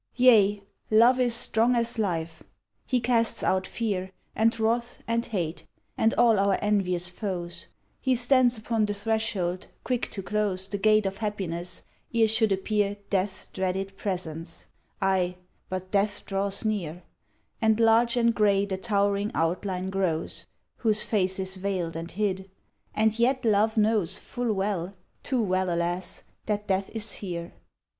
Yea, Love is strong as life; he casts out fear, And wrath, and hate, and all our envious foes; He stands upon the threshold, quick to close The gate of happiness ere should appear Death's dreaded presence ay, but Death draws near, And large and gray the towering outline grows, Whose face is veiled and hid; and yet Love knows Full well, too well, alas! that Death is here.